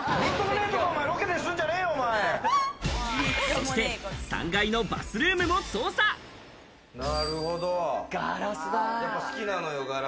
そして３階のバスルームも捜ガラスだ。